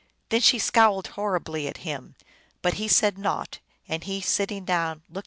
Then she scowled horribly at him, but said naught ; and he, sitting down, looked at them.